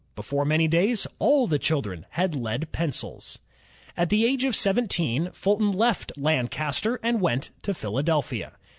Before many days, all the children had lead pencils. At the age of seventeen, Fulton left Lancaster and went to Philadelphia.